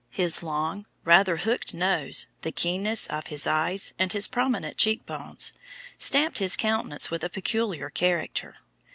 His long, rather hooked nose, the keenness of his eyes, and his prominent cheek bones, stamped his countenance with a peculiar character.